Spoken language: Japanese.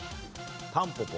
タンポポ。